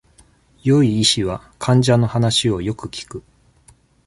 良い医師は、患者の話を良く聞く。